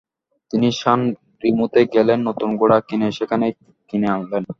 তিনি সান রিমোতে গেলেন নতুন ঘোড়া কিনে সেখানে কিনে আনলেন।